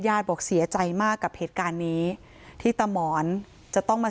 บอกเสียใจมากกับเหตุการณ์นี้ที่ตามหมอนจะต้องมา